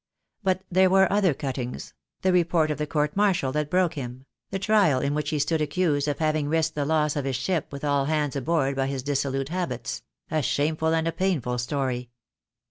But there were other cuttings — the re port of the court martial that broke him — the trial in which he stood accused of having risked the loss of his ship with all hands aboard by his dissolute habits — a shameful and a painful story.